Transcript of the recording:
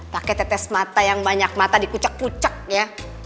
pakai tetes mata yang banyak mata dikucek kuceknya